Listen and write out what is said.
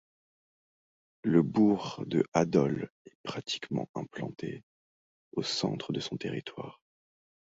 Le bourg de Hadol est pratiquement implanté au centre de son territoire.